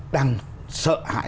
đang sợ hãi